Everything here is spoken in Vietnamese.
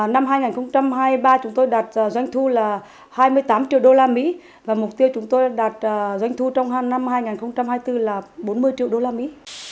năm hai nghìn hai mươi ba chúng tôi đạt doanh thu là hai mươi tám triệu đô la mỹ và mục tiêu chúng tôi đạt doanh thu trong năm hai nghìn hai mươi bốn là bốn mươi triệu đô la mỹ